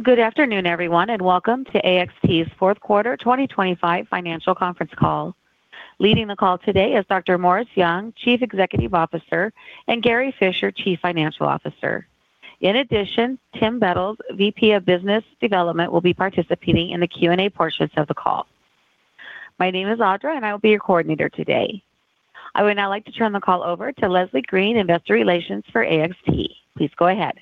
Good afternoon, everyone, and welcome to AXT's Q4 2025 financial conference call. Leading the call today is Dr. Morris Young, Chief Executive Officer, and Gary Fischer, Chief Financial Officer. In addition, Tim Bettles, VP of Business Development, will be participating in the Q&A portion of the call. My name is Audra, and I will be your coordinator today. I would now like to turn the call over to Leslie Green, Investor Relations for AXT. Please go ahead.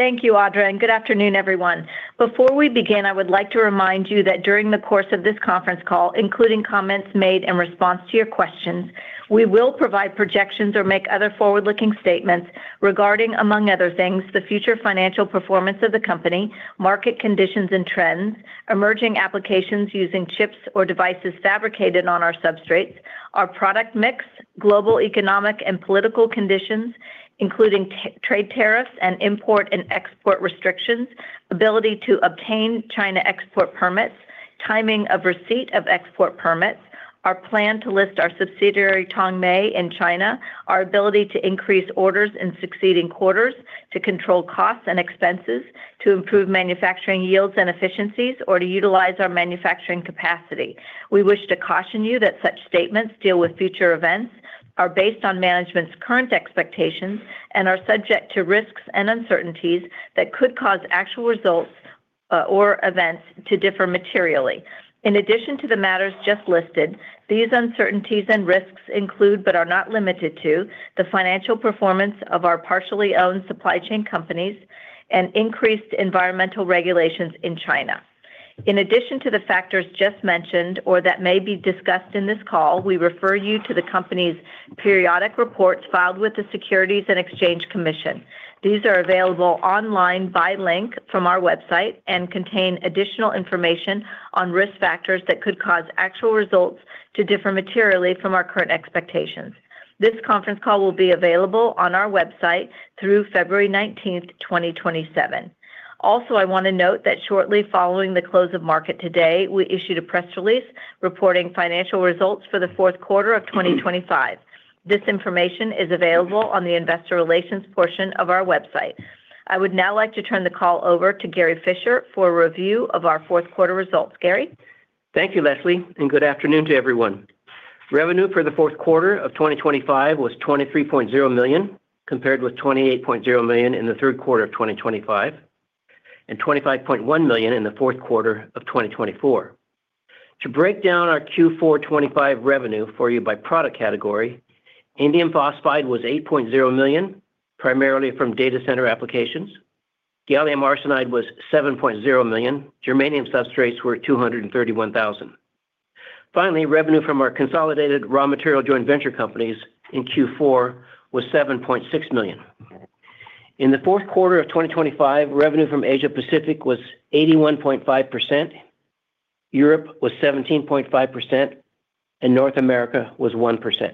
Thank you, Audra, and good afternoon, everyone. Before we begin, I would like to remind you that during the course of this conference call, including comments made in response to your questions, we will provide projections or make other forward-looking statements regarding, among other things, the future financial performance of the company, market conditions and trends, emerging applications using chips or devices fabricated on our substrates, our product mix, global economic and political conditions, including trade tariffs and import and export restrictions, ability to obtain China export permits, timing of receipt of export permits, our plan to list our subsidiary, Tongmei in China, our ability to increase orders in succeeding quarters, to control costs and expenses, to improve manufacturing yields and efficiencies, or to utilize our manufacturing capacity. We wish to caution you that such statements deal with future events, are based on management's current expectations, and are subject to risks and uncertainties that could cause actual results, or events to differ materially. In addition to the matters just listed, these uncertainties and risks include, but are not limited to, the financial performance of our partially owned supply chain companies and increased environmental regulations in China. In addition to the factors just mentioned or that may be discussed in this call, we refer you to the company's periodic reports filed with the Securities and Exchange Commission. These are available online by link from our website and contain additional information on risk factors that could cause actual results to differ materially from our current expectations. This conference call will be available on our website through February 19, 2027. Also, I want to note that shortly following the close of market today, we issued a press release reporting financial results for the Q4 2025. This information is available on the investor relations portion of our website. I would now like to turn the call over to Gary Fischer for a review of our Q4 results. Gary? Thank you, Leslie, and good afternoon to everyone. Revenue for the Q4 2025 was $23.0 million, compared with $28.0 million in Q3 2025, and $25.1 million in Q4 2024. To break down our Q4 2025 revenue for you by product category, Indium Phosphide was $8.0 million, primarily from data center applications. Gallium Arsenide was $7.0 million. Germanium substrates were $231,000. Finally, revenue from our consolidated raw material joint venture companies in Q4 was $7.6 million. In Q4 2025, revenue from Asia Pacific was 81.5%, Europe was 17.5%, and North America was 1%.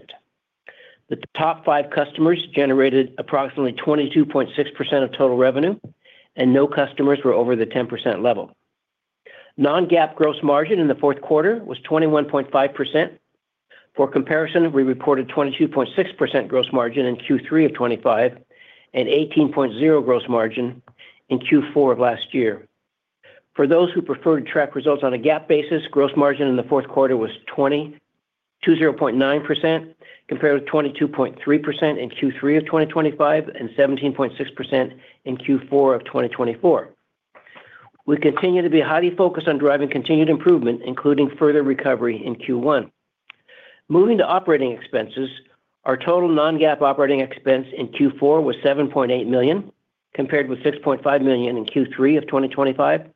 The top five customers generated approximately 22.6% of total revenue, and no customers were over the 10% level. Non-GAAP gross margin in Q4 was 21.5%. For comparison, we reported 22.6% gross margin in Q3 2025 and 18.0% gross margin in Q4 of last year. For those who prefer to track results on a GAAP basis, gross margin in the Q4 was 20.9%, compared with 22.3% in Q3 2025 and 17.6% in Q4 2024. We continue to be highly focused on driving continued improvement, including further recovery in Q1. Moving to operating expenses, our total non-GAAP operating expense in Q4 was $7.8 million, compared with $6.5 million in Q3 2025.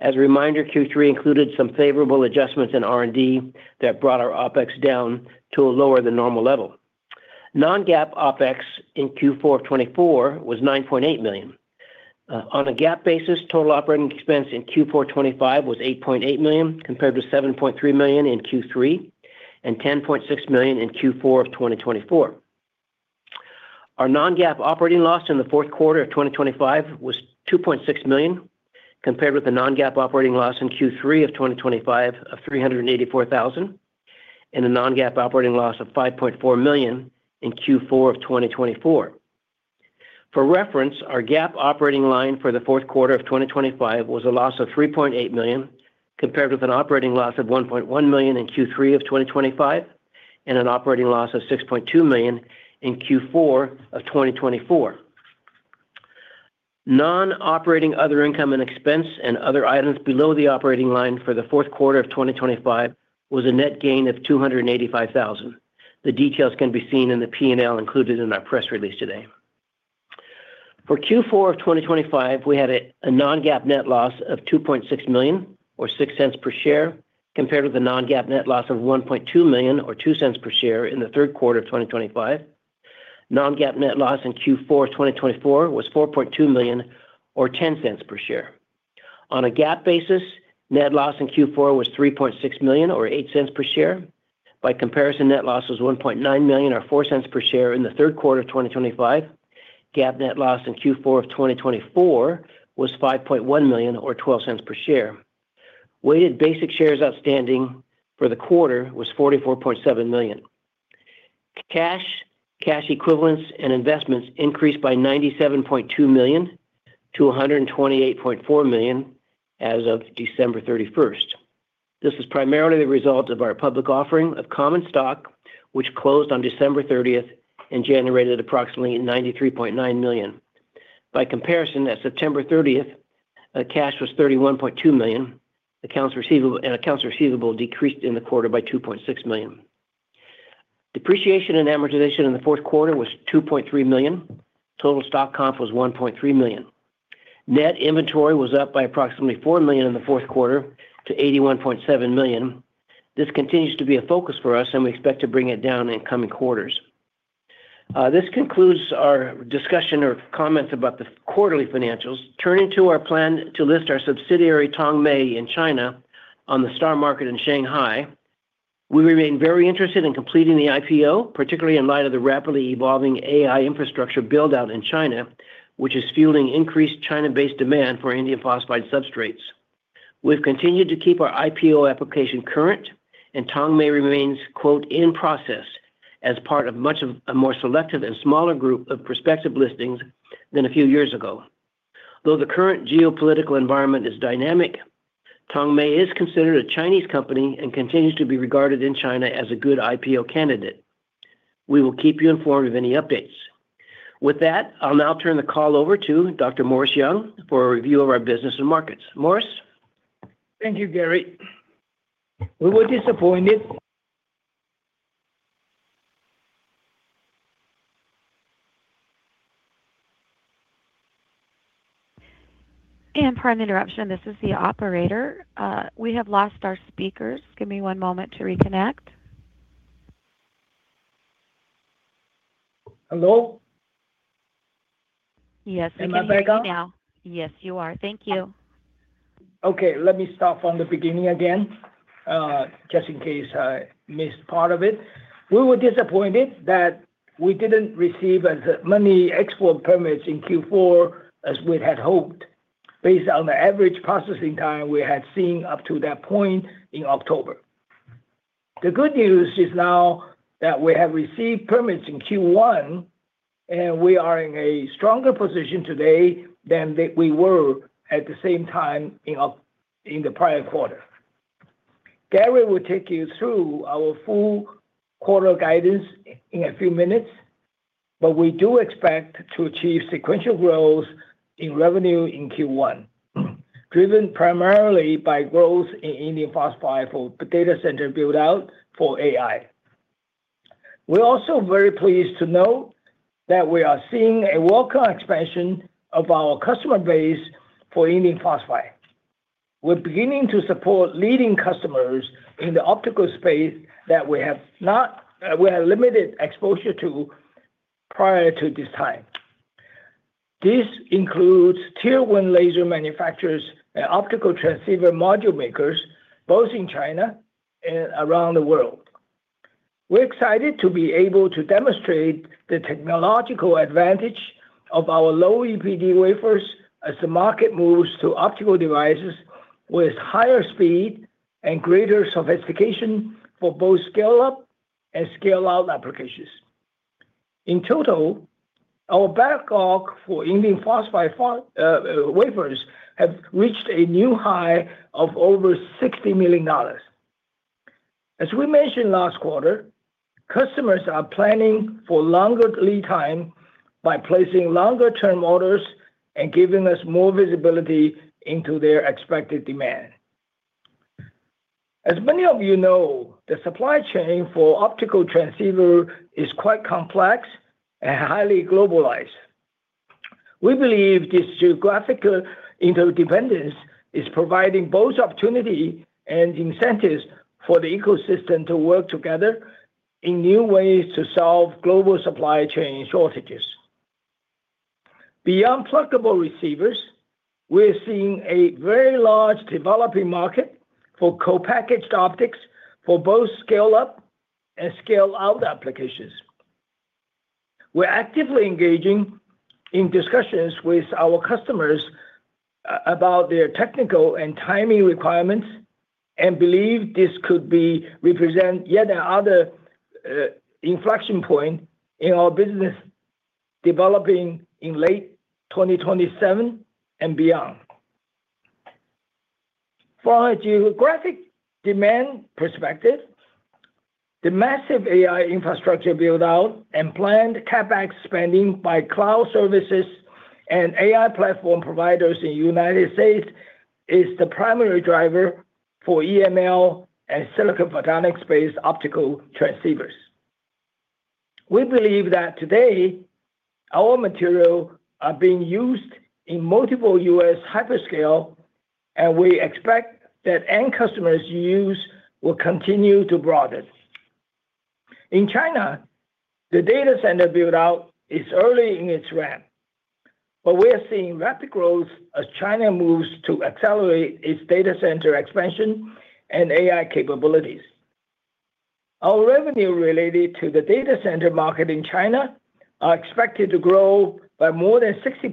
As a reminder, Q3 included some favorable adjustments in R&D that brought our OpEx down to a lower than normal level. Non-GAAP OpEx in Q4 2024 was $9.8 million. On a GAAP basis, total operating expense in Q4 2025 was $8.8 million, compared with $7.3 million in Q3 and $10.6 million in Q4 2024. Our non-GAAP operating loss in the Q4 2025 was $2.6 million, compared with the non-GAAP operating loss in Q3 2025 of $384,000, and a non-GAAP operating loss of $5.4 million in Q4 2024. For reference, our GAAP operating loss for the Q4 2025 was a loss of $3.8 million, compared with an operating loss of $1.1 million in Q3 2025, and an operating loss of $6.2 million in Q4 2024. Non-operating other income and expense and other items below the operating line for the Q4 2025 was a net gain of $285,000. The details can be seen in the P&L included in our press release today. For Q4 2025, we had a non-GAAP net loss of $2.6 million, or $0.06 per share, compared with the non-GAAP net loss of $1.2 million, or $0.02 per share, in the Q3 2025. Non-GAAP net loss in Q4 of 2024 was $4.2 million, or $0.10 per share. On a GAAP basis, net loss in Q4 was $3.6 million, or $0.08 per share. By comparison, net loss was $1.9 million, or $0.04 per share in the Q3 2025. GAAP net loss in Q4 2024 was $5.1 million, or $0.12 per share. Weighted basic shares outstanding for the quarter was 44.7 million. Cash, cash equivalents and investments increased by $97.2 million to $128.4 million as of December 31. This is primarily the result of our public offering of common stock, which closed on December 30th and generated approximately $93.9 million. By comparison, at September 30, cash was $31.2 million, accounts receivable-- and accounts receivable decreased in the quarter by $2.6 million. Depreciation and amortization in the Q4 was $2.3 million. Total stock comp was $1.3 million. Net inventory was up by approximately $4 million in the Q4 to $81.7 million. This continues to be a focus for us, and we expect to bring it down in coming quarters. This concludes our comments about the quarterly financials. Turning to our plan to list our subsidiary, Tongmei, in China on the STAR Market in Shanghai, we remain very interested in completing the IPO, particularly in light of the rapidly evolving AI infrastructure build-out in China, which is fueling increased China-based demand for indium phosphide substrates. We continued to keep our IPO application current, and Tongmei remains, quote, "In process as part of more selective and smaller group of prospective listings than a few years ago." Though the current geopolitical environment is dynamic, Tongmei is considered a Chinese company and continues to be regarded in China as a good IPO candidate. We will keep you informed of any updates. With that, I'll now turn the call over to Dr. Morris Young for a review of our business and markets. Morris? Thank you, Gary. We were disappointed- Pardon the interruption, this is the operator. We have lost our speakers. Give me one moment to reconnect. Hello? Yes, we can hear you now. Am I back on? Yes, you are. Thank you. Okay, let me start from the beginning again, just in case I missed part of it. We were disappointed that we didn't receive as many export permits in Q4 as we had hoped, based on the average processing time we had seen up to that point in October. The good news is now that we have received permits in Q1, and we are in a stronger position today than we were at the same time in the prior quarter. Gary will take you through our full-quarter guidance in a few minutes, but we do expect to achieve sequential growth in revenue in Q1, driven primarily by growth in indium phosphide for data center build-out for AI. We're also very pleased to note that we are seeing a welcome expansion of our customer base for indium phosphide. We're beginning to support leading customers in the optical space that we had limited exposure to previously. This includes Tier One laser manufacturers and optical transceiver module makers, both in China and around the world. We're excited to be able to demonstrate the technological advantage of our low EPD wafers as the market moves to optical devices with higher speed and greater sophistication for both scale-up and scale-out applications. In total, our backlog for indium phosphide wafers have reached a new high of over $60 million. As we mentioned last quarter, customers are planning for longer lead time by placing longer-term orders and giving us more visibility into their expected demand. As many of you know, the supply chain for optical transceiver is quite complex and highly globalized. We believe this geographical interdependence is providing both opportunity and incentives for the ecosystem to work together in new ways to solve global supply chain shortages. Beyond pluggable receivers, we're seeing a very large developing market for co-packaged optics for both scale-up and scale-out applications. We're actively engaging in discussions with our customers about their technical and timing requirements, and believe this could be represent yet another inflection point in our business, developing in late 2027 and beyond. For our geographic demand perspective, the massive AI infrastructure build-out and planned CapEx spending by cloud services and AI platform providers in the United States is the primary driver for EML and silicon photonics-based optical transceivers. We believe that today, our material are being used in multiple U.S. hyperscale, and we expect that end customers' use will continue to broaden. In China, the data center build-out is early in its ramp, but we are seeing rapid growth as China moves to accelerate its data center expansion and AI capabilities. Our revenue related to the data center market in China are expected to grow by more than 60%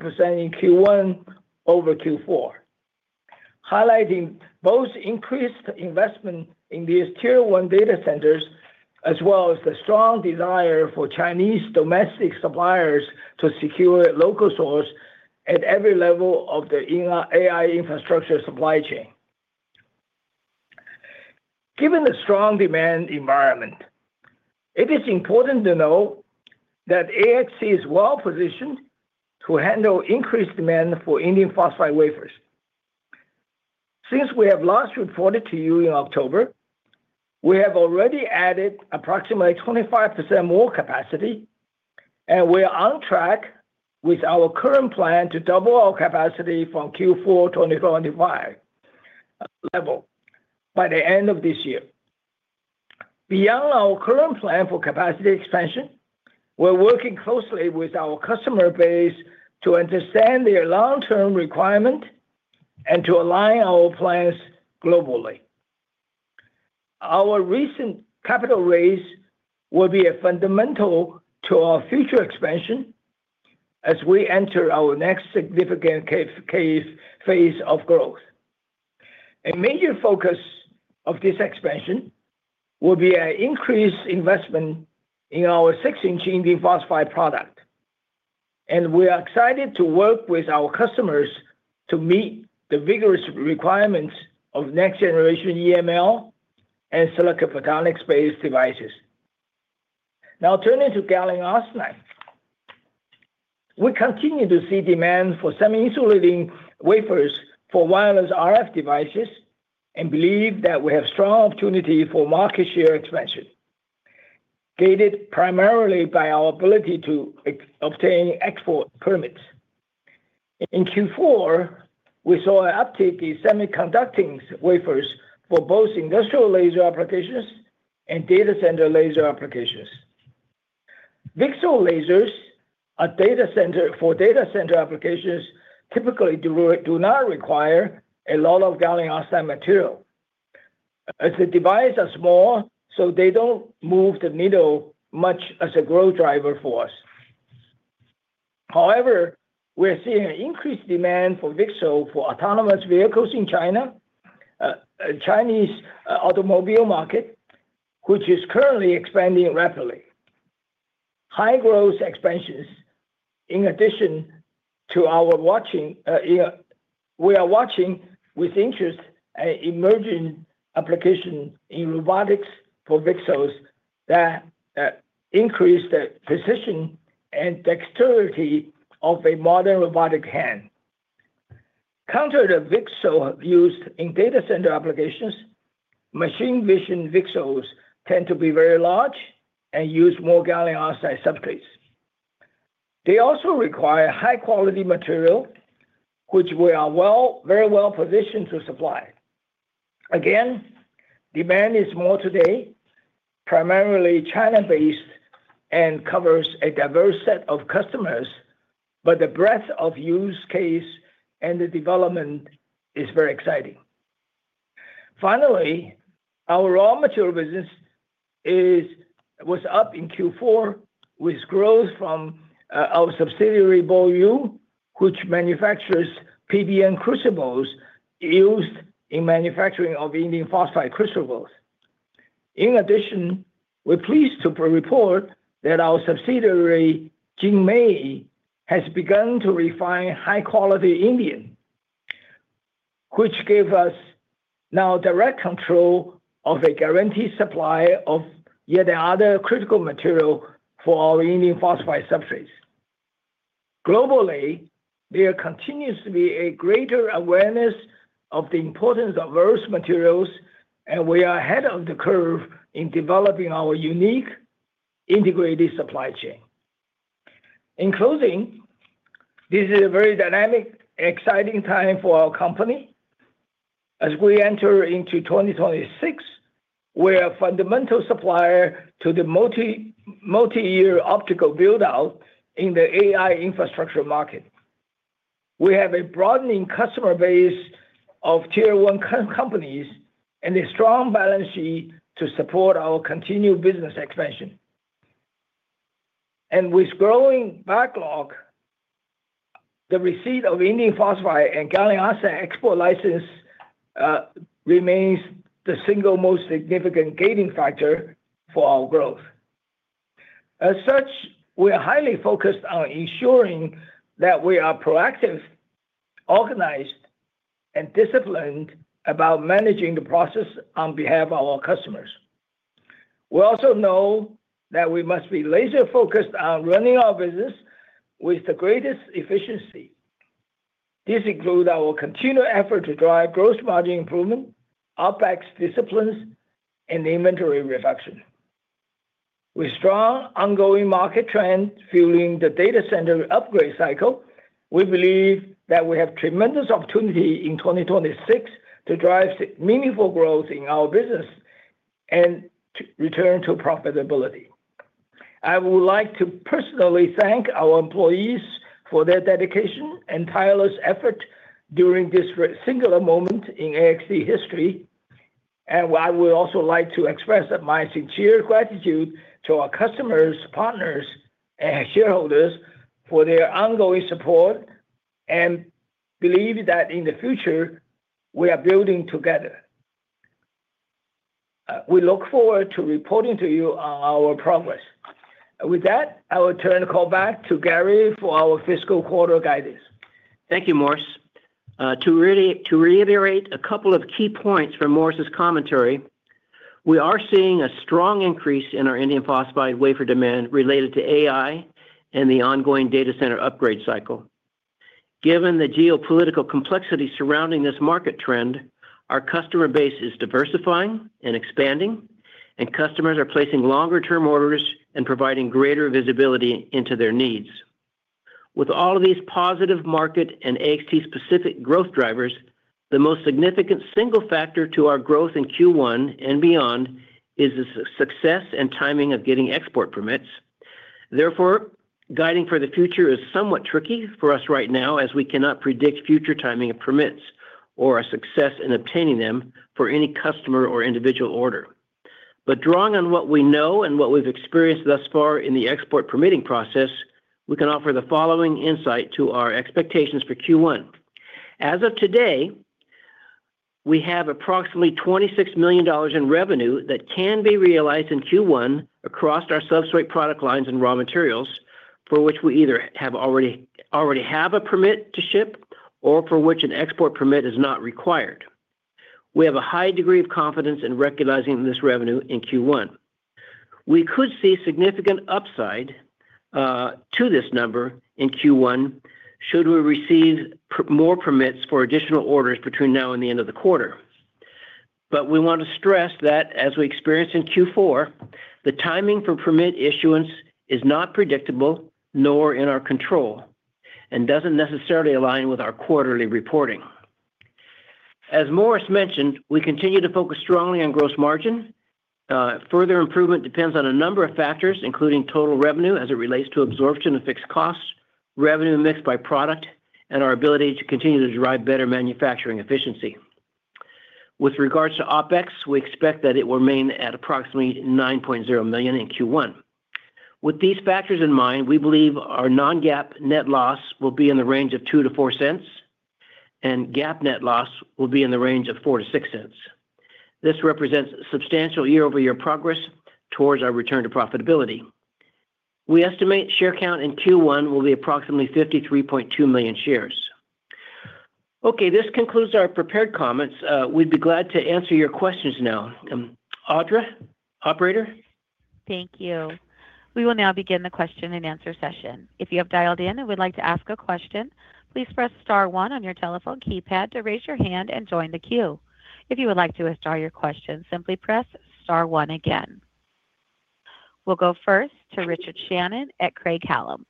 in Q1 over Q4, highlighting both increased investment in these Tier One data centers, as well as the strong desire for Chinese domestic suppliers to secure local source at every level of the AI, AI infrastructure supply chain. Given the strong demand environment, it is important to know that AXT is well positioned to handle increased demand for indium phosphide wafers. Since we have last reported to you in October, we have already added approximately 25% more capacity, and we are on track with our current plan to double our capacity from Q4 2025 level by the end of this year. Beyond our current plan for capacity expansion, we're working closely with our customer base to understand their long-term requirement and to align our plans globally. Our recent capital raise will be a fundamental to our future expansion as we enter our next significant phase of growth. A major focus of this expansion will be an increased investment in our six-inch indium phosphide product, and we are excited to work with our customers to meet the vigorous requirements of next generation EML and silicon photonics-based devices. Now, turning to gallium arsenide. We continue to see demand for semi-insulating wafers for wireless RF devices, and believe that we have strong opportunity for market share expansion, gated primarily by our ability to obtain export permits. In Q4, we saw an uptick in semiconducting wafers for both industrial laser applications and data center laser applications. VCSEL lasers for data center applications typically do not require a lot of gallium arsenide material, as the devices are small, so they don't move the needle much as a growth driver for us. However, we are seeing increased demand for VCSEL for autonomous vehicles in China.The Chinese automobile market is currently expanding rapidly. High growth expansions, we are watching with interest an emerging application in robotics for VCSELs that increase the precision and dexterity of a modern robotic hand. Contrary to VCSEL used in data center applications, machine vision VCSELs tend to be very large and use more gallium arsenide substrates. They also require high quality material, which we are well, very well positioned to supply. Again, demand is more today, primarily China-based, and covers a diverse set of customers, but the breadth of use case and the development is very exciting. Finally, our raw material business was up in Q4, with growth from our subsidiary, Boyu, which manufactures PBN crucibles used in manufacturing of indium phosphide crucibles. In addition, we're pleased to report that our subsidiary, JinMei, has begun to refine high-quality indium, which gave us now direct control of a guaranteed supply of yet the other critical material for our indium phosphide substrates. Globally, there continues to be a greater awareness of the importance of various materials, and we are ahead of the curve in developing our unique integrated supply chain. In closing, this is a very dynamic, exciting time for our company. As we enter into 2026, we're a fundamental supplier to the multi-year optical build-out in the AI infrastructure market. We have a broadening customer base of Tier One companies and a strong balance sheet to support our continued business expansion. With growing backlog, the receipt of Indium Phosphide and Gallium Arsenide export license remains the single most significant gating factor for our growth. As such, we are highly focused on ensuring that we are proactive, organized, and disciplined about managing the process on behalf of our customers. We also know that we must be laser-focused on running our business with the greatest efficiency. This includes our continued effort to drive gross margin improvement, OpEx disciplines, and inventory reduction. With strong ongoing market trends fueling the data center upgrade cycle, we believe that we have tremendous opportunity in 2026 to drive significant meaningful growth in our business and to return to profitability. I would like to personally thank our employees for their dedication and tireless effort during this singular moment in AXT history. I would also like to express my sincere gratitude to our customers, partners, and shareholders for their ongoing support, and believe that in the future, we are building together. We look forward to reporting to you on our progress. With that, I will turn the call back to Gary for our fiscal quarter guidance. Thank you, Morris. To reiterate a couple of key points from Morris's commentary, we are seeing a strong increase in our Indium Phosphide wafer demand related to AI and the ongoing data center upgrade cycle. Given the geopolitical complexity surrounding this market trend, our customer base is diversifying and expanding, and customers are placing longer-term orders and providing greater visibility into their needs. With all of these positive market and AXT-specific growth drivers, the most significant single factor to our growth in Q1 and beyond is the success and timing of getting export permits. Therefore, guiding for the future is somewhat tricky for us right now, as we cannot predict future timing of permits or our success in obtaining them for any customer or individual order. But drawing on what we know and what we've experienced thus far in the export permitting process, we can offer the following insight to our expectations for Q1. As of today, we have approximately $26 million in revenue that can be realized in Q1 across our substrate product lines and raw materials, for which we either have already have a permit to ship or for which an export permit is not required. We have a high degree of confidence in recognizing this revenue in Q1. We could see significant upside to this number in Q1, should we receive more permits for additional orders between now and the end of the quarter. But we want to stress that as we experienced in Q4, the timing for permit issuance is not predictable nor in our control, and doesn't necessarily align with our quarterly reporting. As Morris mentioned, we continue to focus strongly on gross margin. Further improvement depends on a number of factors, including total revenue as it relates to absorption and fixed costs, revenue mix by product, and our ability to continue to drive better manufacturing efficiency. With regards to OpEx, we expect that it will remain at approximately $9.0 million in Q1. With these factors in mind, we believe our non-GAAP net loss will be in the range of $0.02 to $0.04, and GAAP net loss will be in the range of $0.04 to $0.06. This represents substantial year-over-year progress towards our return to profitability. We estimate share count in Q1 will be approximately 53.2 million shares. Okay, this concludes our prepared comments. We'd be glad to answer your questions now. Audra, Operator? Thank you. We will now begin the question and answer session. If you have dialed in and would like to ask a question, please press star one on your telephone keypad to raise your hand and join the queue. If you would like to withdraw your question, simply press star one again. We'll go first to Richard Shannon at Craig-Hallum.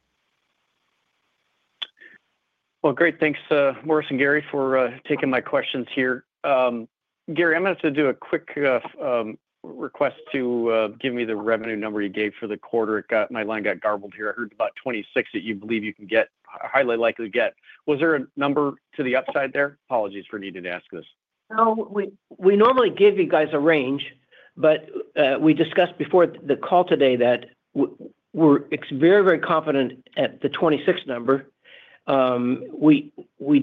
Well, great, thanks, Morris and Gary, for taking my questions here. Gary, I'm going to do a quick request to give me the revenue number you gave for the quarter. My line got garbled here. I heard about $26 million that you believe you can get, highly likely to get. Was there a number to the upside there? Apologies for needing to ask this. No, we normally give you guys a range, but we discussed before the call today that we're very confident at the 26 number. We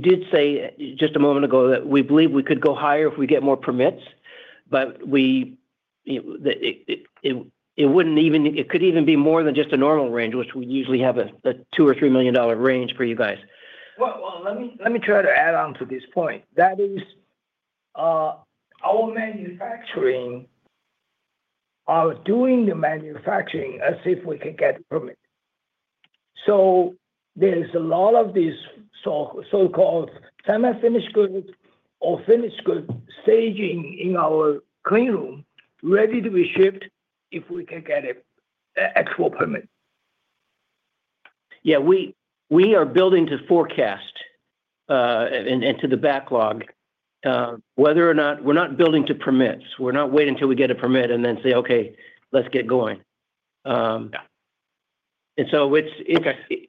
did say just a moment ago that we believe we could go higher if we get more permits, but it wouldn't even—it could even be more than just a normal range, which we usually have a $2 million to $3 million range for you guys. Well, let me try to add on to this point. That is, our manufacturing are doing the manufacturing as if we could get a permit. So there is a lot of these so, so-called semi-finished goods or finished goods staging in our clean room, ready to be shipped if we can get a, a, actual permit. Yeah, we are building to forecast and to the backlog, whether or not we're not building to permits. We're not waiting till we get a permit and then say, "Okay, let's get going. Yeah. And so it's. Okay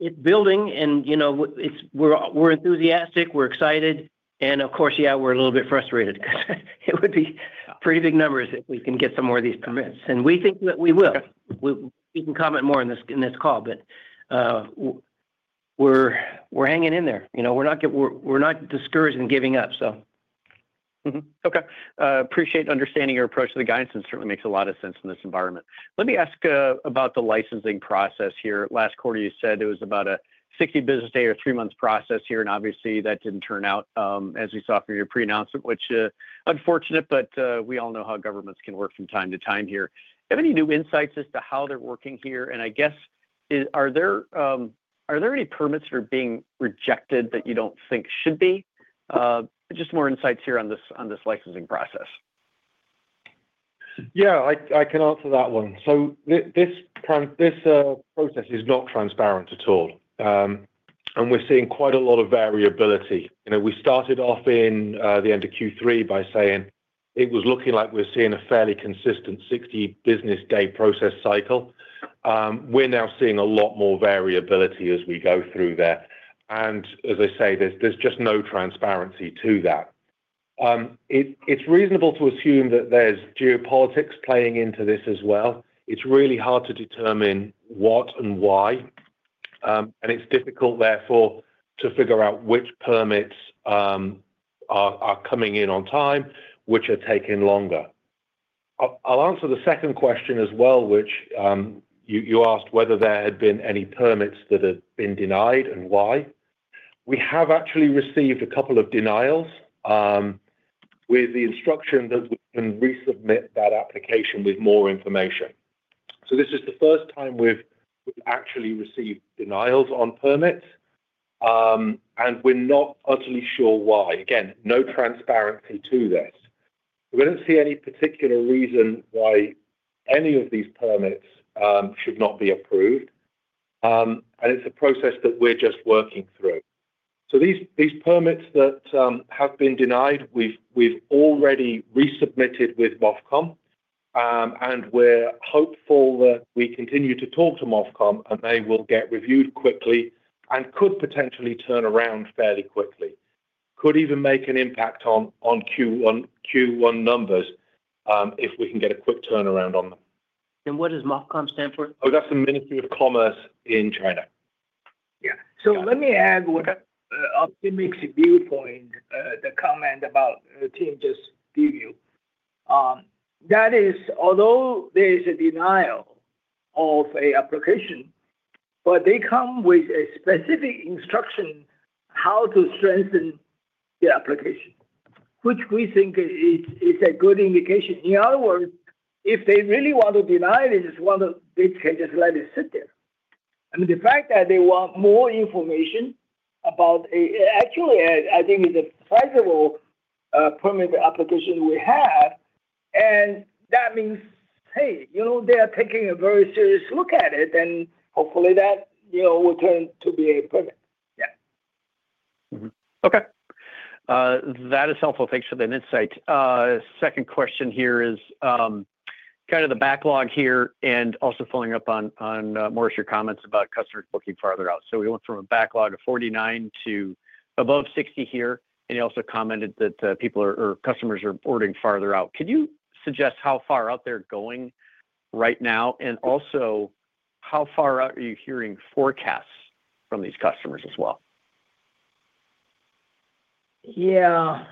...it's building, and you know, we're enthusiastic, we're excited, and of course, yeah, we're a little bit frustrated. It would be pretty big numbers if we can get some more of these permits, and we think that we will. Okay. We can comment more on this in this call, but we're hanging in there. You know, we're not discouraged and giving up, so. Mm-hmm. Okay. Appreciate understanding your approach to the guidance, and certainly makes a lot of sense in this environment. Let me ask about the licensing process here. Last quarter, you said it was about a 60 business day or three months process here, and obviously that didn't turn out, as we saw from your pre-announcement, which unfortunate, but we all know how governments can work from time to time here. Do you have any new insights as to how they're working here? And I guess, are there any permits that are being rejected that you don't think should be? Just more insights here on this licensing process. Yeah, I can answer that one. So this process is not transparent at all. And we're seeing quite a lot of variability. You know, we started off in the end of Q3 by saying it was looking like we're seeing a fairly consistent 60-business day process cycle.... We're now seeing a lot more variability as we go through that, and as I say, there's just no transparency to that. It is reasonable to assume that there's geopolitics playing into this as well. It's really hard to determine what and why, and it's difficult, therefore, to figure out which permits are coming in on time, which are taking longer. I'll answer the second question as well, which you asked whether there had been any permits that had been denied and why. We have actually received a couple of denials, with the instruction that we can resubmit that application with more information. So this is the first time we've actually received denials on permits, and we're not utterly sure why. Again, no transparency to this. We don't see any particular reason why any of these permits should not be approved, and it's a process that we're just working through. So these permits that have been denied, we've already resubmitted with MOFCOM, and we're hopeful that we continue to talk to MOFCOM, and they will get reviewed quickly and could potentially turn around fairly quickly. Could even make an impact on Q1 numbers, if we can get a quick turnaround on them. What does MOFCOM stand for? Oh, that's the Ministry of Commerce in China. Yeah. Yeah. So let me add what optimistic viewpoint the comment about the team just give you. That is, although there is a denial of a application, but they come with a specific instruction, how to strengthen the application, which we think is, is a good indication. In other words, if they really want to deny this, well, they can just let it sit there. I mean, the fact that they want more information about a... Actually, I think it's a sizable permit application we have, and that means, hey, you know, they are taking a very serious look at it, and hopefully, that, you know, will turn to be a permit. Yeah. Mm-hmm. Okay. That is helpful. Thanks for the insight. Second question here is, kind of the backlog here and also following up on Morris, your comments about customers booking farther out. So we went from a backlog of 49 to above 60 here, and you also commented that, people or customers are ordering farther out. Can you suggest how far out they're going right now? And also, how far out are you hearing forecasts from these customers as well? Yeah.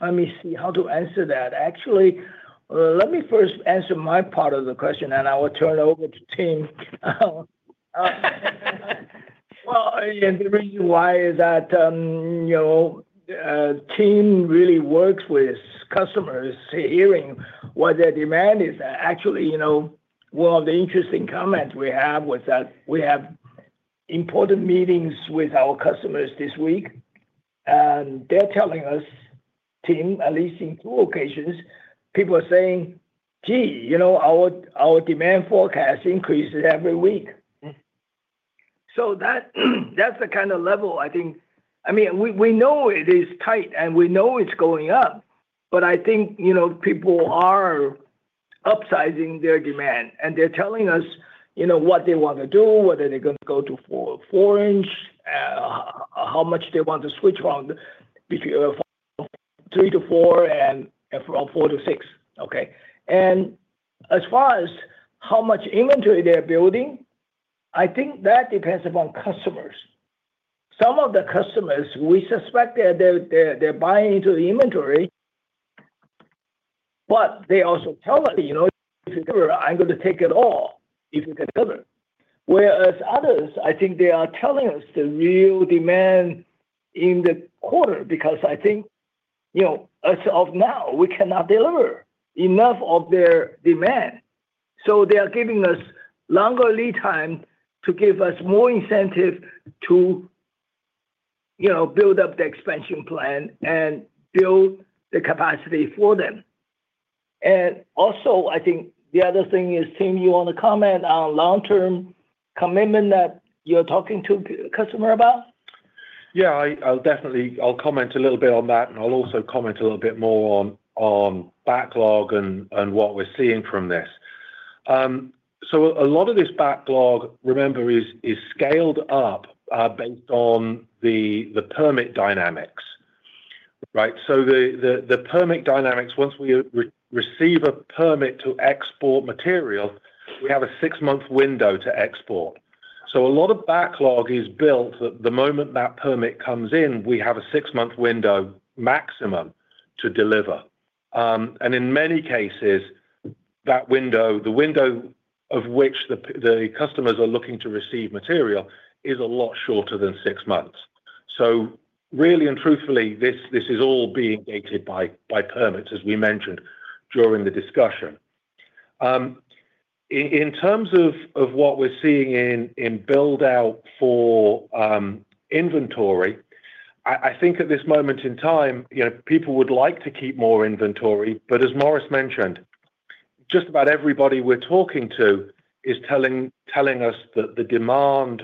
Let me see how to answer that. Actually, let me first answer my part of the question, and I will turn it over to Tim. Well, and the reason why is that, you know, Tim really works with customers, hearing what their demand is. Actually, you know, one of the interesting comment we have was that we have important meetings with our customers this week, and they're telling us, Tim, at least in two occasions, people are saying, "Gee, you know, our, our demand forecast increases every week. Mm-hmm. So that, that's the kind of level I think... I mean, we know it is tight, and we know it's going up, but I think, you know, people are upsizing their demand, and they're telling us, you know, what they want to do, whether they're gonna go to 4-inch, how much they want to switch from between three to four and from four to six. Okay? And as far as how much inventory they're building, I think that depends upon customers. Some of the customers, we suspect that they're buying into the inventory, but they also tell us, "You know, I'm gonna take it all if you can deliver." Whereas others, I think they are telling us the real demand in the quarter, because I think, you know, as of now, we cannot deliver enough of their demand. So they are giving us longer lead time to give us more incentive to, you know, build up the expansion plan and build the capacity for them. And also, I think the other thing is, Tim, you want to comment on long-term commitment that you're talking to customer about? Yeah, I'll definitely. I'll comment a little bit on that, and I'll also comment a little bit more on backlog and what we're seeing from this. So a lot of this backlog, remember, is scaled up based on the permit dynamics, right? So the permit dynamics, once we receive a permit to export material, we have a 6-month window to export. So a lot of backlog is built that the moment that permit comes in, we have a 6-month window maximum to deliver. And in many cases, that window, the window of which the customers are looking to receive material is a lot shorter than six months. So really and truthfully, this is all being gated by permits, as we mentioned during the discussion. In terms of what we're seeing in build-out for inventory, I think at this moment in time, you know, people would like to keep more inventory, but as Morris mentioned, just about everybody we're talking to is telling us that the demand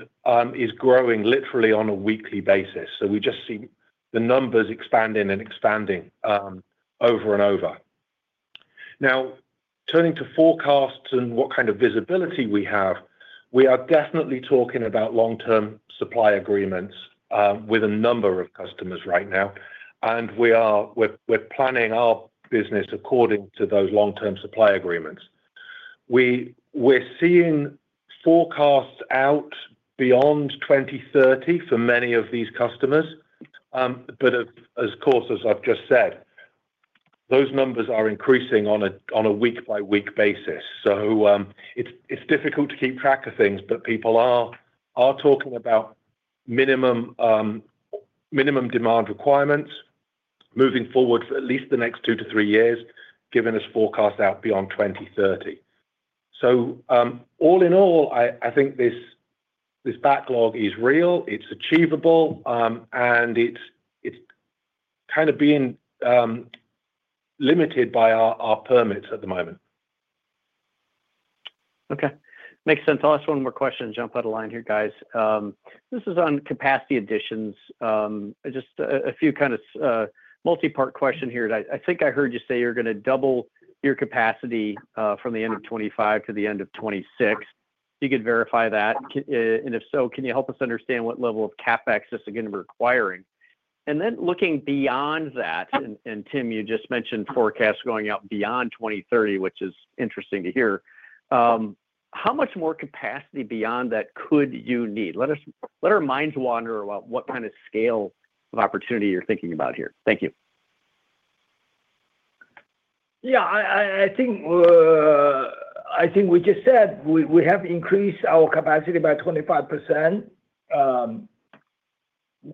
is growing literally on a weekly basis. So we just see the numbers expanding and expanding over and over. Now, turning to forecasts and what kind of visibility we have, we are definitely talking about long-term supply agreements with a number of customers right now, and we are planning our business according to those long-term supply agreements. We're seeing forecasts out beyond 2030 for many of these customers. But of course, as I've just said, those numbers are increasing on a week-by-week basis. So, it's difficult to keep track of things, but people are talking about minimum demand requirements moving forward for at least the next two to three years, giving us forecast out beyond 2030. So, all in all, I think this backlog is real, it's achievable, and it's kind of being limited by our permits at the moment. Okay. Makes sense. I'll ask one more question and jump out of line here, guys. This is on capacity additions. Just a few kind of multi-part question here. I think I heard you say you're gonna double your capacity from the end of 2025 to the end of 2026. If you could verify that and if so, can you help us understand what level of CapEx this is going to be requiring? And then looking beyond that, and Tim, you just mentioned forecasts going out beyond 2030, which is interesting to hear. How much more capacity beyond that could you need? Let us let our minds wander about what kind of scale of opportunity you're thinking about here. Thank you. Yeah, I think we just said we have increased our capacity by 25%,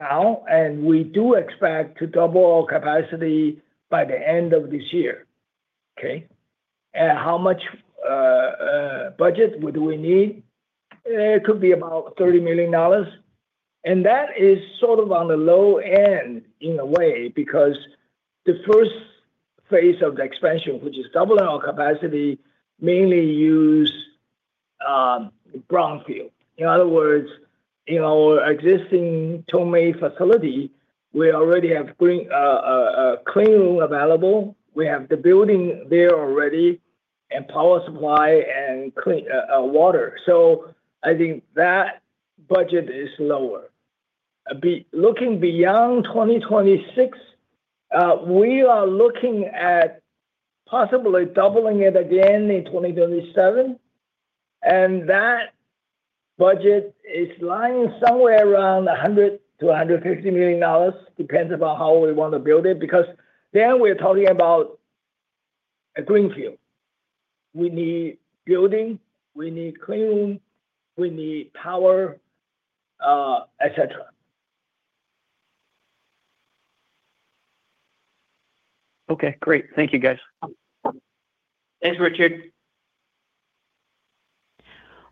now, and we do expect to double our capacity by the end of this year. Okay? And how much budget would we need? It could be about $30 million, and that is sort of on the low end, in a way, because the first phase of the expansion, which is doubling our capacity, mainly use brownfield. In other words, in our existing Tongmei facility, we already have a clean room available. We have the building there already, and power supply, and clean water. So I think that budget is lower. Looking beyond 2026, we are looking at possibly doubling it again in 2027, and that budget is lying somewhere around $100 million to $150 million, depends about how we want to build it, because then we're talking about a greenfield. We need building, we need clean room, we need power, et cetera. Okay, great. Thank you, guys. Thanks, Richard.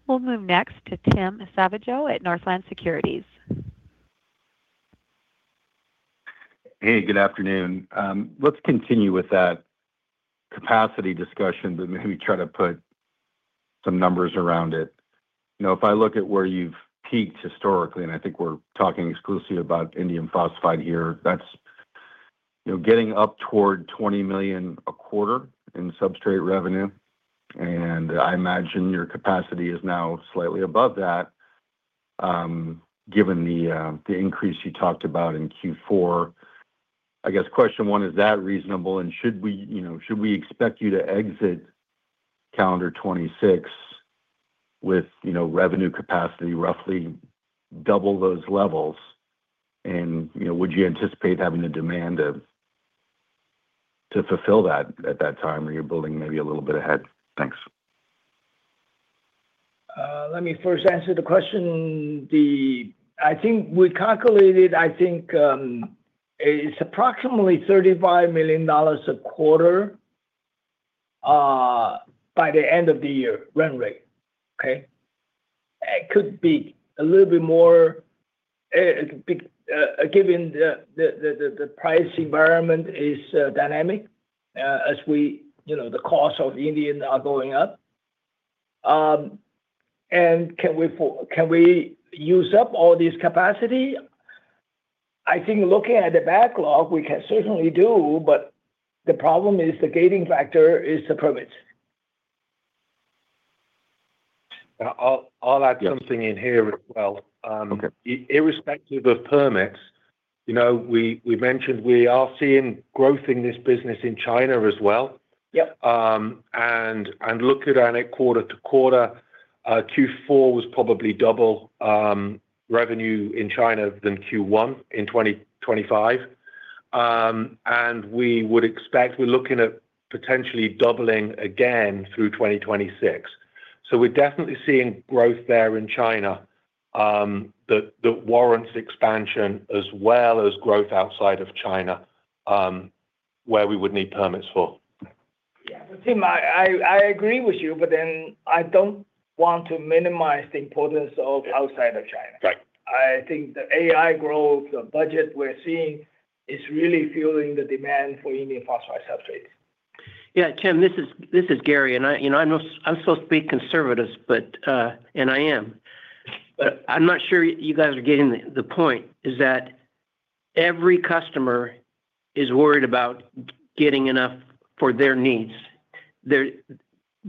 We'll move next to Tim Savageaux at Northland Securities. Hey, good afternoon. Let's continue with that capacity discussion, but maybe try to put some numbers around it. You know, if I look at where you've peaked historically, and I think we're talking exclusively about indium phosphide here, that's, you know, getting up toward $20 million a quarter in substrate revenue, and I imagine your capacity is now slightly above that, given the, the increase you talked about in Q4. I guess question one, is that reasonable, and should we, you know, should we expect you to exit calendar 2026 with, you know, revenue capacity, roughly double those levels? And, you know, would you anticipate having the demand of, to fulfill that at that time, or you're building maybe a little bit ahead? Thanks. Let me first answer the question. I think we calculated, I think, it's approximately $35 million a quarter by the end of the year, run rate. Okay? It could be a little bit more given the price environment is dynamic, as we, you know, the cost of indium are going up. And can we use up all this capacity? I think looking at the backlog, we can certainly do, but the problem is the gating factor is the permits. I'll add something in here as well. Okay. Irrespective of permits, you know, we mentioned we are seeing growth in this business in China as well. Yep. And looking at it quarter to quarter, Q4 was probably double revenue in China than Q1 2025. And we would expect we're looking at potentially doubling again through 2026. So we're definitely seeing growth there in China, that warrants expansion as well as growth outside of China, where we would need permits for. Yeah. Tim, I agree with you, but then I don't want to minimize the importance of outside of China. Right. I think the AI growth, the budget we're seeing, is really fueling the demand for Indium Phosphide substrates.... Yeah, Tim, this is Gary, and I, you know, I'm supposed to be conservative, but and I am. But I'm not sure you guys are getting the point is that every customer is worried about getting enough for their needs. There's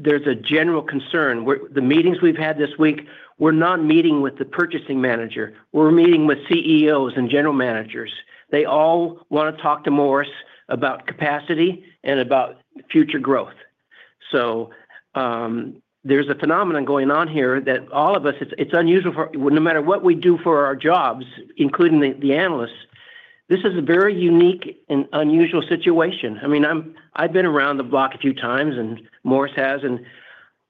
a general concern where the meetings we've had this week, we're not meeting with the purchasing manager, we're meeting with CEOs and general managers. They all wanna talk to Morris about capacity and about future growth. So, there's a phenomenon going on here that all of us, it's unusual for no matter what we do for our jobs, including the analysts, this is a very unique and unusual situation. I mean, I've been around the block a few times, and Morris has, and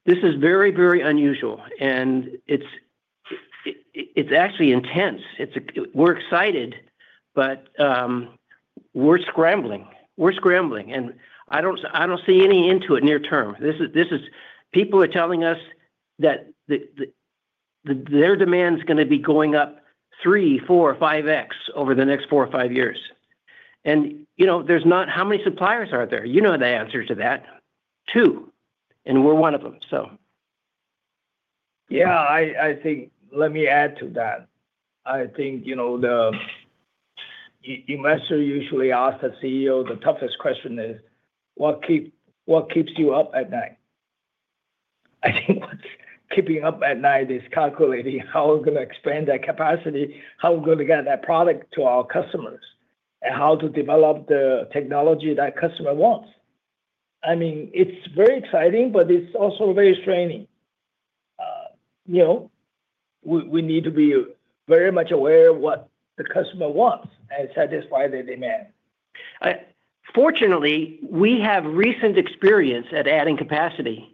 this is very unusual, and it's actually intense. We're excited, but we're scrambling. We're scrambling, and I don't, I don't see any end to it near term. This is – people are telling us that their demand's gonna be going up three, four, five over the next four or five years. And, you know, there's not – how many suppliers are there? You know the answer to that. two, and we're one of them, so. Yeah, I, I think, let me add to that. I think, you know, the investor usually ask the CEO, the toughest question is, "What keep, what keeps you up at night?" I think what's keeping me up at night is calculating how we're gonna expand that capacity, how we're gonna get that product to our customers, and how to develop the technology that customer wants. I mean, it's very exciting, but it's also very straining. You know, we need to be very much aware of what the customer wants and satisfy their demand. Fortunately, we have recent experience at adding capacity.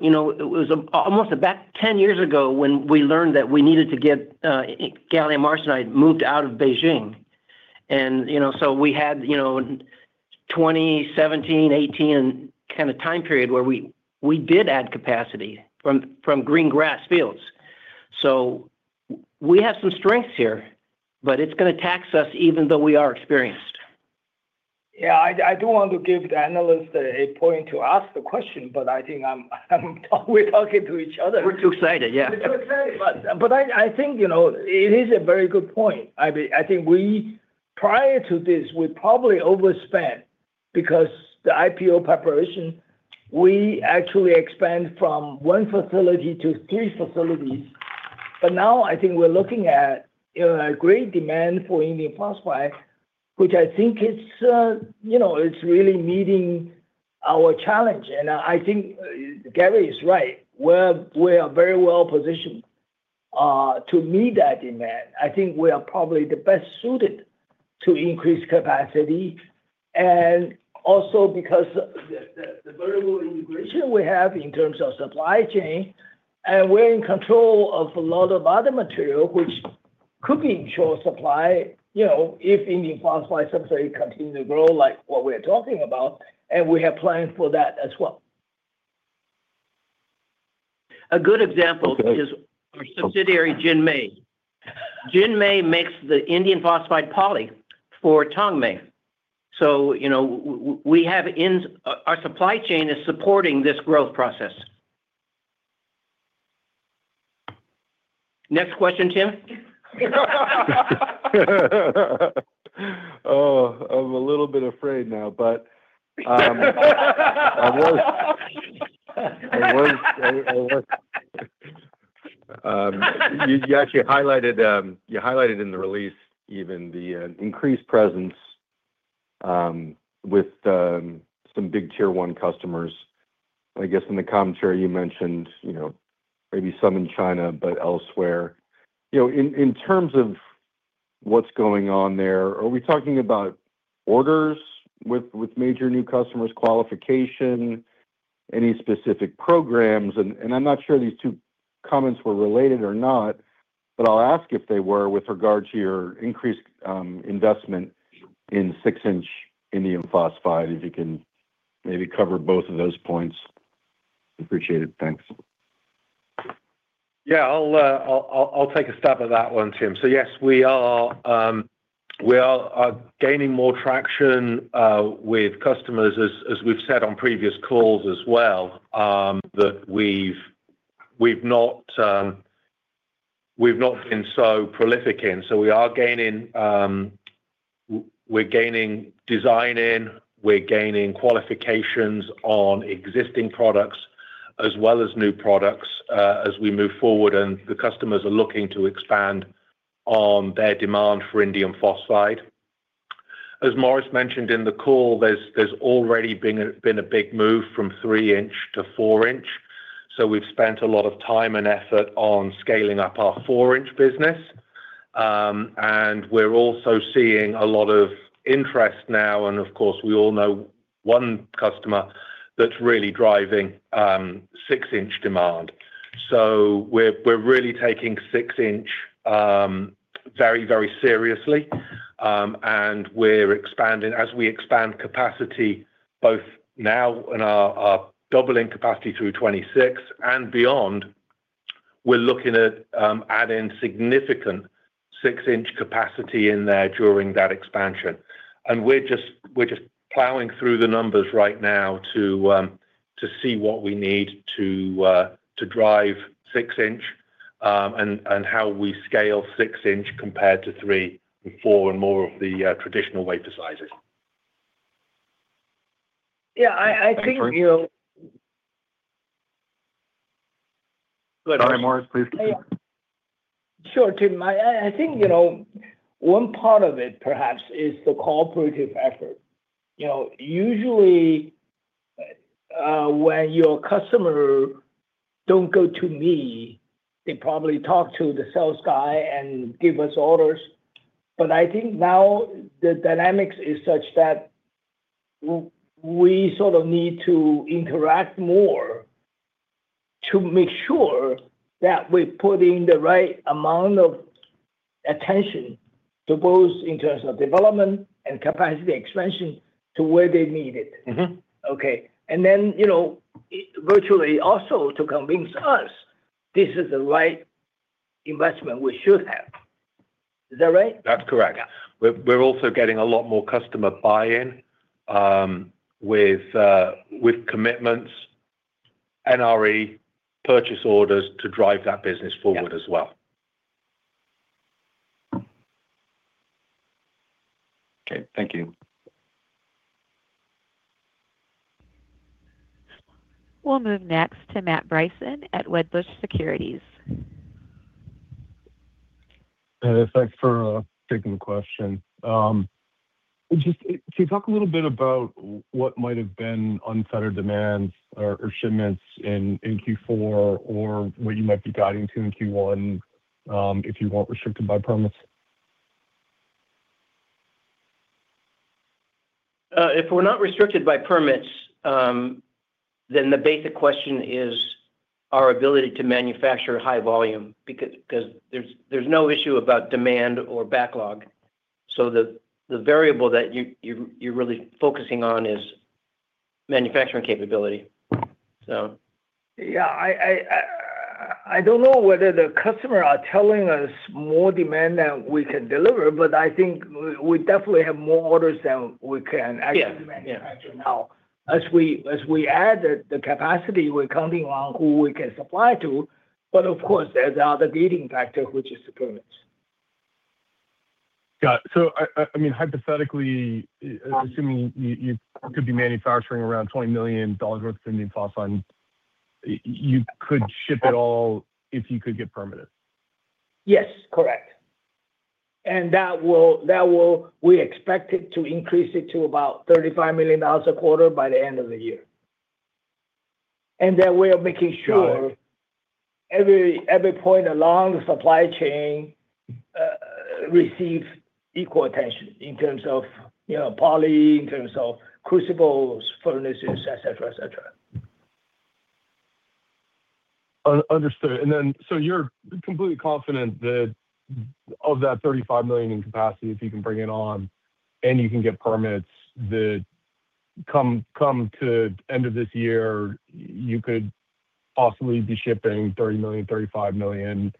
You know, it was almost about 10 years ago when we learned that we needed to get, you know, Gallium Arsenide moved out of Beijing. You know, we had, you know, 2017, 2018 kind of time period where we did add capacity from green grass fields. We have some strengths here, but it's gonna tax us even though we are experienced. Yeah, I don't want to give the analyst a point to ask the question, but I think I'm—we're talking to each other. We're too excited, yeah. We're too excited. But I think, you know, it is a very good point. I mean, I think we, prior to this, we probably overspent because the IPO preparation, we actually expanded from one facility to three facilities. But now, I think we're looking at, you know, a great demand for Indium Phosphide, which I think is, you know, it's really meeting our challenge. And I think Gary is right. We are very well positioned to meet that demand. I think we are probably the best suited to increase capacity, and also because the vertical integration we have in terms of supply chain, and we're in control of a lot of other material, which could ensure supply, you know, if indium phosphide supply continue to grow, like what we're talking about, and we have plans for that as well. A good example is our subsidiary, Jinmei. Jinmei makes the indium phosphide poly for Tongmei. So, you know, our supply chain is supporting this growth process. Next question, Tim? Oh, I'm a little bit afraid now, but you actually highlighted in the release even the increased presence with some big Tier One customers. I guess in the commentary you mentioned, you know, maybe some in China, but elsewhere. You know, in terms of what's going on there, are we talking about orders with major new customers, qualification, any specific programs? And I'm not sure these two comments were related or not, but I'll ask if they were with regard to your increased investment in six-inch Indium Phosphide, if you can maybe cover both of those points. Appreciate it. Thanks. Yeah, I'll take a stab at that one, Tim. So yes, we are gaining more traction with customers, as we've said on previous calls as well, that we've not been so prolific in. So we are gaining design in, we're gaining qualifications on existing products as well as new products, as we move forward, and the customers are looking to expand on their demand for indium phosphide. As Morris mentioned in the call, there's already been a big move from three-inch to four-inch, so we've spent a lot of time and effort on scaling up our four-inch business. And we're also seeing a lot of interest now, and of course, we all know one customer that's really driving six-inch demand. We're really taking six-inch very, very seriously, and we're expanding. As we expand capacity, both now and our doubling capacity through 2026 and beyond, we're looking at adding significant six-inch capacity in there during that expansion. We're just plowing through the numbers right now to see what we need to drive six-inch, and how we scale six-inch compared to three and four and more of the traditional wafer sizes. Yeah, I think, you know— Sorry, Morris, please continue. Sure, Tim. I think, you know, one part of it perhaps is the cooperative effort. You know, usually, when your customer don't go to me, they probably talk to the sales guy and give us orders. But I think now the dynamics is such that we sort of need to interact more to make sure that we're putting the right amount of attention to both in terms of development and capacity expansion to where they need it. Mm-hmm. Okay. Then, you know, virtually also to convince us this is the right investment we should have. Is that right? That's correct. We're also getting a lot more customer buy-in, with commitments, NRE purchase orders to drive that business forward as well. Yeah. Okay. Thank you. We'll move next to Matt Bryson at Wedbush Securities. Thanks for taking the question. Just, can you talk a little bit about what might have been unfettered demands or, or shipments in, in Q4, or what you might be guiding to in Q1, if you weren't restricted by permits? If we're not restricted by permits, then the basic question is our ability to manufacture high volume, because 'cause there's no issue about demand or backlog. So the variable that you you're really focusing on is manufacturing capability. So... Yeah, I don't know whether the customer are telling us more demand than we can deliver, but I think we definitely have more orders than we can actually- Yeah... manufacture now. As we add the capacity, we're counting on who we can supply to. But of course, there's the other gating factor, which is the permits. Got it. So I mean, hypothetically, assuming you could be manufacturing around $20 million worth of Indium Phosphide, you could ship it all if you could get permitted? Yes, correct. And that will, we expect it to increase it to about $35 million a quarter by the end of the year. And then we are making sure every point along the supply chain receives equal attention in terms of, you know, poly, in terms of crucibles, furnaces, et cetera, et cetera. Understood. And then, so you're completely confident that of that $35 million in capacity, if you can bring it on and you can get permits, that come to the end of this year, you could possibly be shipping $30 million, $35 million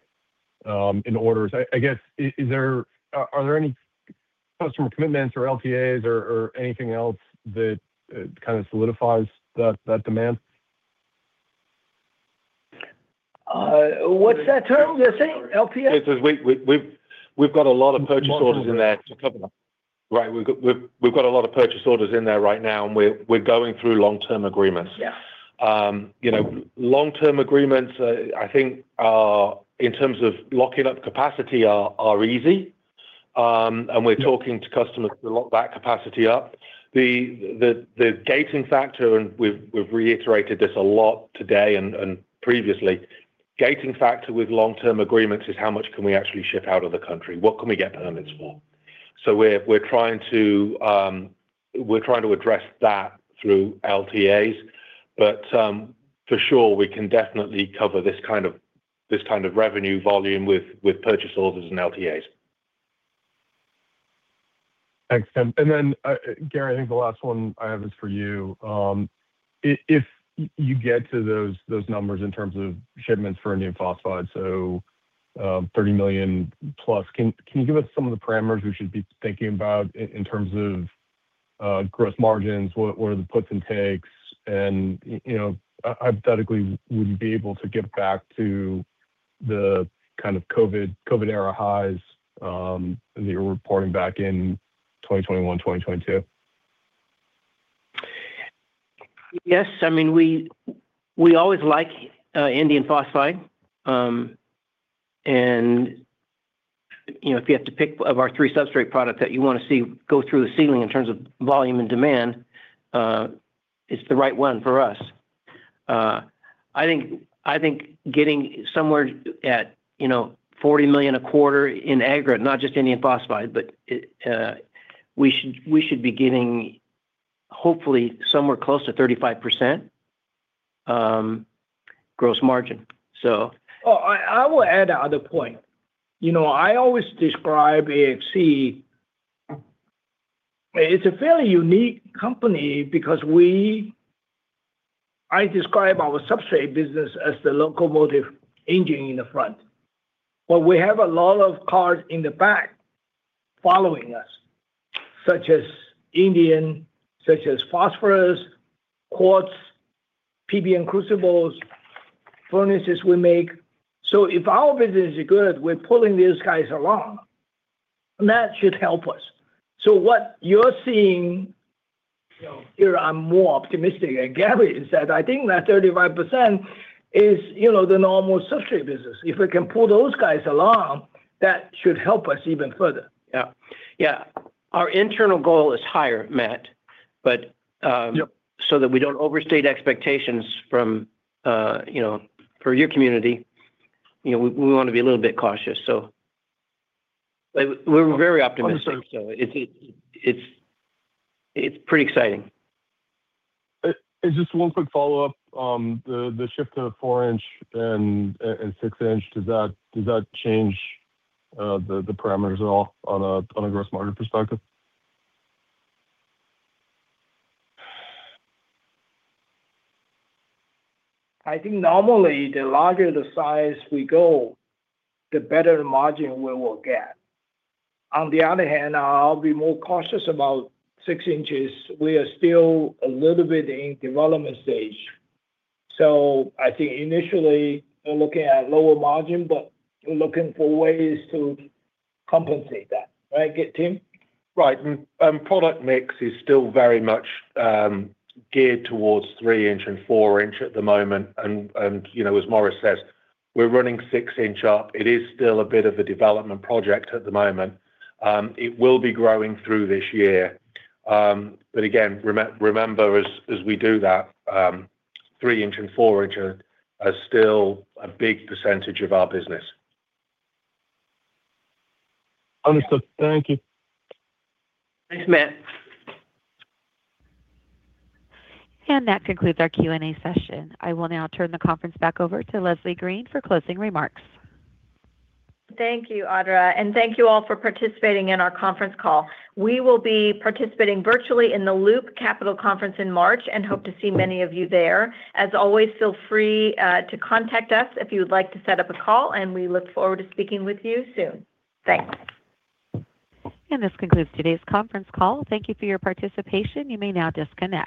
in orders. I guess, is there, are there any customer commitments or LTAs or anything else that kind of solidifies that demand? What's that term you're saying? LTAs? Yes, we've got a lot of purchase orders in there. long-term agreements. Right. We've got a lot of purchase orders in there right now, and we're going through long-term agreements. Yes. You know, long-term agreements, I think, are, in terms of locking up capacity, are easy. We're talking to customers to lock that capacity up. The gating factor, and we've reiterated this a lot today and previously, gating factor with long-term agreements is how much can we actually ship out of the country? What can we get permits for? We're trying to address that through LTAs, but for sure, we can definitely cover this kind of revenue volume with purchase orders and LTAs. Thanks. And then, Gary, I think the last one I have is for you. If you get to those numbers in terms of shipments for indium phosphide, so 30 million plus, can you give us some of the parameters we should be thinking about in terms of growth margins, what are the puts and takes? And you know, hypothetically, would you be able to get back to the kind of COVID-era highs that you were reporting back in 2021, 2022? Yes. I mean, we always like indium phosphide. And, you know, if you have to pick of our three substrate products that you want to see go through the ceiling in terms of volume and demand, it's the right one for us. I think getting somewhere at, you know, $40 million a quarter in aggregate, not just indium phosphide, but it, we should be getting hopefully somewhere close to 35%, gross margin. So- Oh, I will add another point. You know, I always describe AXT as—it's a fairly unique company because we, I describe our substrate business as the locomotive engine in the front. But we have a lot of cars in the back following us, such as indium, such as phosphide, quartz, PBN crucibles, furnaces we make. So if our business is good, we're pulling these guys along, and that should help us. So what you're seeing, you know, here, I'm more optimistic, and Gary has said, I think that 35% is, you know, the normal substrate business. If we can pull those guys along, that should help us even further. Yeah. Yeah. Our internal goal is higher, Matt, but, Yep... So that we don't overstate expectations from, you know, for your community. You know, we wanna be a little bit cautious, so we're very optimistic. Understood. So it's pretty exciting. Just one quick follow-up. The shift to the four-inch and six-inch, does that change the parameters at all on a gross margin perspective? I think normally, the larger the size we go, the better margin we will get. On the other hand, I'll be more cautious about 6 inches. We are still a little bit in development stage. So I think initially, we're looking at lower margin, but we're looking for ways to compensate that. Right, get, Tim? Right. Product mix is still very much geared towards three-inch and four-inch at the moment. And you know, as Morris says, we're running six-inch up. It is still a bit of a development project at the moment. It will be growing through this year. But again, remember, as we do that, three-inch and four-inch are still a big percentage of our business. Understood. Thank you. Thanks, Matt. That concludes our Q&A session. I will now turn the conference back over to Leslie Green for closing remarks. Thank you, Audra, and thank you all for participating in our conference call. We will be participating virtually in the Loop Capital conference in March and hope to see many of you there. As always, feel free to contact us if you would like to set up a call, and we look forward to speaking with you soon. Thanks. This concludes today's conference call. Thank you for your participation. You may now disconnect.